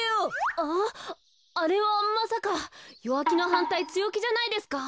ああれはまさか弱気のはんたい強気じゃないですか？